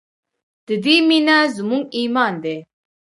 د دې مینه زموږ ایمان دی